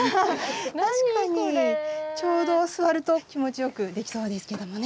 確かにちょうど座ると気持ちよくできそうですけどもね。